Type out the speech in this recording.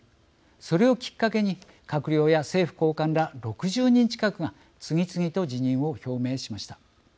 それをきっかけに閣僚や政府高官ら６０人近くが次々と辞任を表明しました。